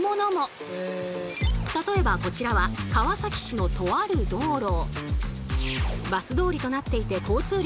例えばこちらは川崎市のとある道路。